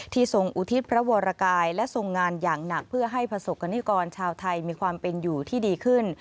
ทรงอุทิศพระวรกายและทรงงานอย่างหนักเพื่อให้ประสบกรณิกรชาวไทยมีความเป็นอยู่ที่ดีขึ้น